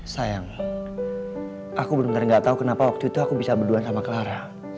sayang aku benar benar gak tahu kenapa waktu itu aku bisa berduaan sama clara